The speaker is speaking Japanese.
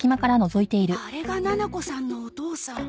あれがななこさんのお父さん。